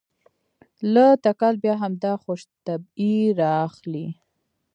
له تکل بیا همدا خوش طبعي رااخلي.